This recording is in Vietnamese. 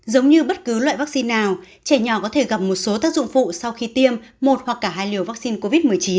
giống như bất cứ loại vaccine nào trẻ nhỏ có thể gặp một số tác dụng phụ sau khi tiêm một hoặc cả hai liều vaccine covid một mươi chín